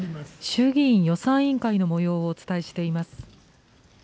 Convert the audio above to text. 衆議院予算委員会のもようをお伝えしています。